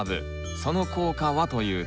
その効果はというと。